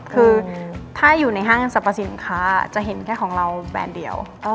คือถ้าอยู่ในห้างสรรพสินค้าจะเห็นแค่ของเราแบรนด์เดียว